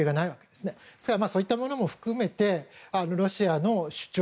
ですからそういったものも含めてロシアの主張